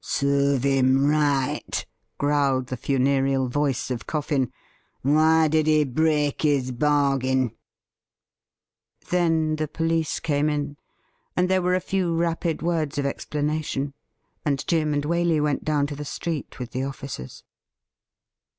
' Serve him right !' growled the funereal voice of Coffin. ' Why did he break his bargain .?' Then the police came in, and there were a few rapid ; words of explanation ; and Jim and Waley went down to , the street with the officers.